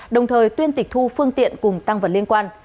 đồng thời tuyên tịch thu phương tiện cùng tăng vật liên quan